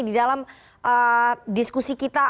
di dalam diskusi kita